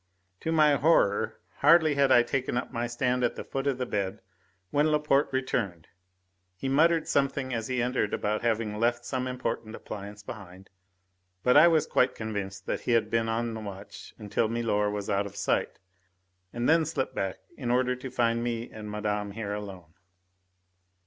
To my horror, hardly had I taken up my stand at the foot of the bed when Laporte returned; he muttered something as he entered about having left some important appliance behind, but I was quite convinced that he had been on the watch until milor was out of sight, and then slipped back in order to find me and Madame here alone.